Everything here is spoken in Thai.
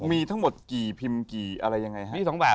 มีทั้งหมดกี่พิมพ์กี่อะไรยังไงฮะ